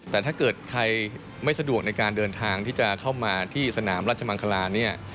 แต่ถ้าเกิดใครไม่สะดวกในการเดินทางที่จะเข้ามาที่สนามราชมังคลาเนี่ย